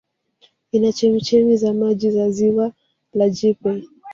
Ina chemchemi za maji za Ziwa la Jipe